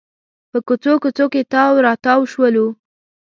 په کوڅو کوڅو کې تاو راتاو شولو.